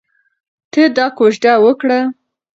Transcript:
ته دا کوژده وکړه.